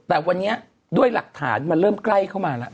แต่วันนี้ด้วยหลักฐานมันเริ่มใกล้เข้ามาแล้ว